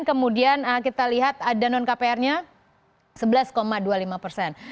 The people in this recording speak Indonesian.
kemudian kita lihat ada non kpr nya sebelas dua puluh lima persen